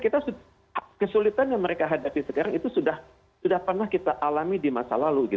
kita kesulitan yang mereka hadapi sekarang itu sudah pernah kita alami di masa lalu